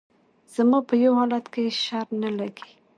زما په يو حالت کښې شر نه لګي